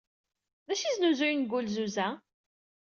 D acu ay snuzuyen deg wulzuz-a?